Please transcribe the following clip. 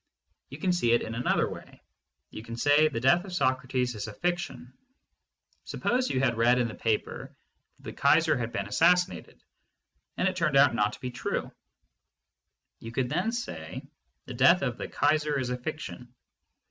You can see it in another way. You can say "The death of Socrates is a fic tion." Suppose you had read in the paper that the Kaiser had been assassinated, and it turned out to be not true. You could then say, "The death of the Kaiser is a fiction."